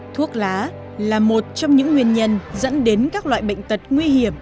thuốc lá là một trong những nguyên nhân dẫn đến các loại bệnh tật nguy hiểm